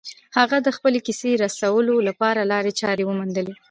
هغه د خپلې کیسې رسولو لپاره لارې چارې وموندلې